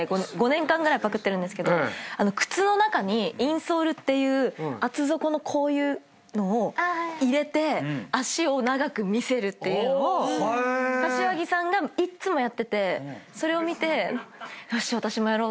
５年間ぐらいパクってるんですけど靴の中にインソールっていう厚底のこういうのを入れて脚を長く見せるっていうのを柏木さんがいっつもやっててそれを見てよし私もやろうと思って。